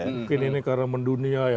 mungkin ini karena mendunia ya